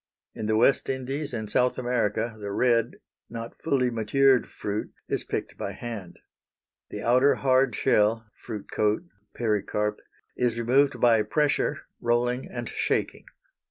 In the West Indies and South America the red, not fully matured fruit is picked by hand. The outer hard shell (fruit coat, pericarp) is removed by pressure, rolling, and shaking.